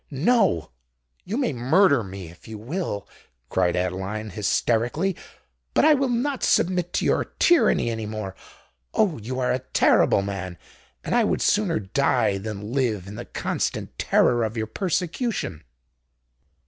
"No—you may murder me if you will," cried Adeline, hysterically: "but I will not submit to your tyranny any more. Oh! you are a terrible man—and I would sooner die than live in the constant terror of your persecution!"